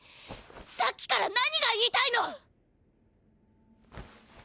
さっきから何が言いたいの！